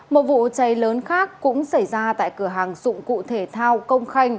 một vụ cháy lớn khác cũng xảy ra tại cửa hàng dụng cụ thể thao công khanh